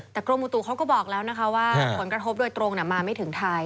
แต่กรมอุตุเขาก็บอกแล้วนะคะว่าผลกระทบโดยตรงมาไม่ถึงไทย